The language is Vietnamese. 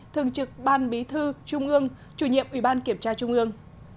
thường trực ban bí thư trung ương chủ nhiệm ủy ban kiểm tra trung ương